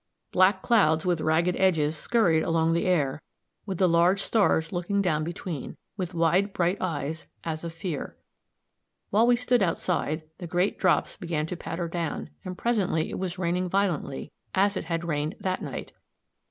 Black clouds, with ragged edges, skurried along the air, with the large stars looking down between, with wide, bright eyes, as of fear. While we stood outside, the great drops began to patter down; and presently it was raining violently, as it rained that night.